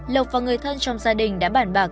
lộc và người thân trong gia đình đã bản bạc